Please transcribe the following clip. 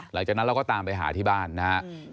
หลังจากนั้นเราก็ตามไปหาที่บ้านนะครับ